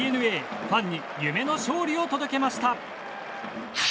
ファンに夢の勝利を届けました。